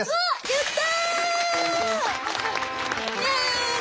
やった！